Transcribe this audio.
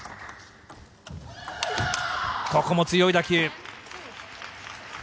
ここも強い打球。